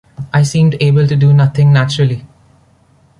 I seemed able to do nothing naturally.